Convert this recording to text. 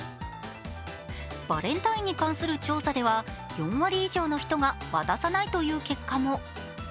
バレンタインに関する調査では４割以上の人が渡さないという結果も。